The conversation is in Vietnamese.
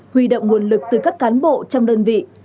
huy động nguồn lực từ các cán bộ trong đơn vị